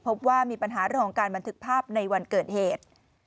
พบว่ามีปัญหาเรื่องของการบันทึกภาพในวันเกิดเหตุ